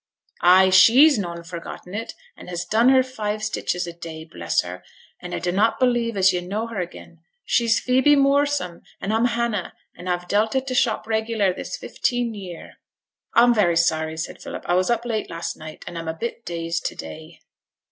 'Ay, she's noane forgotten it, and has done her five stitches a day, bless her; and a dunnot believe as yo' know her again. She's Phoebe Moorsom, and a'm Hannah, and a've dealt at t' shop reg'lar this fifteen year.' 'I'm very sorry,' said Philip. 'I was up late last night, and I'm a bit dazed to day.